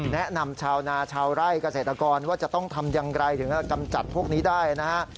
แนะนำชาวนาชาวไร่เกษตรกรว่าจะต้องทำอย่างไรถึงกำจัดพวกนี้ได้นะฮะ